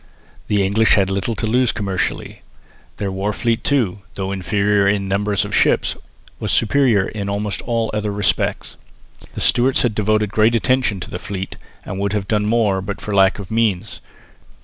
The English had little to lose commercially. Their war fleet too, though inferior in the number of ships, was superior in almost all other respects. The Stuarts had devoted great attention to the fleet and would have done more but for lack of means.